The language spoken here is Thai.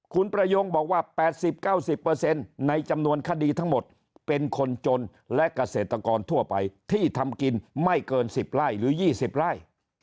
คุณประยงบอกว่า๘๐๙๐ในจำนวนคดีทั้งหมดเป็นคนจนและเกษตรกรทั่วไปที่ทำกินไม่เกิน๑๐ไร่หรือ๒๐ไร่